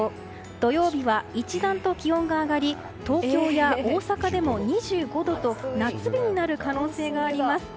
土曜日は一段と気温が上がり東京や大阪でも２５度と夏日になる可能性があります。